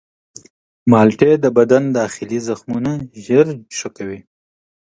مالټې د بدن داخلي زخمونه ژر ښه کوي.